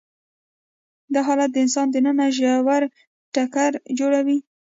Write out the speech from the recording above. دا حالت د انسان دننه ژور ټکر جوړوي.